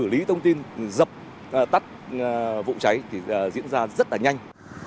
xử lý thông tin dập tắt vụ cháy thì diễn ra rất là nhanh